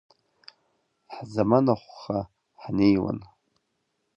Ҳзаманахәха ҳнеиуан.